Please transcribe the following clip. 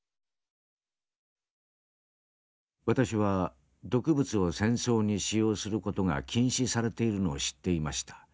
「私は毒物を戦争に使用する事が禁止されているのを知っていました。